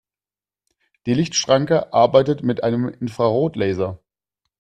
Die Lichtschranke arbeitet mit einem Infrarotlaser.